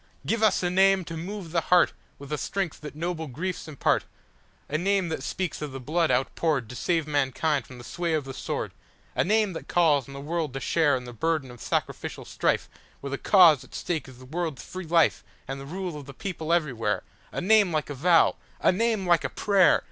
Give us a name to move the heartWith the strength that noble griefs impart,A name that speaks of the blood outpouredTo save mankind from the sway of the sword,—A name that calls on the world to shareIn the burden of sacrificial strifeWhere the cause at stake is the world's free lifeAnd the rule of the people everywhere,—A name like a vow, a name like a prayer.